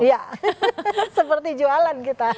ya seperti jualan kita